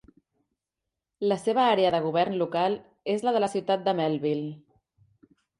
La seva àrea de govern local és la de la ciutat de Melville.